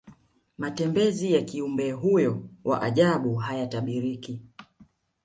matembezi ya kiumbe huyo wa ajabu hayatabiriki